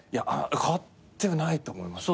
変わってないと思いますね。